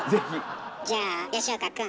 じゃあ吉岡くん。